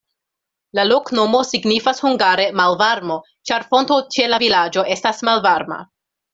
La loknomo signifas hungare malvarmo, ĉar fonto ĉe la vilaĝo estas malvarma.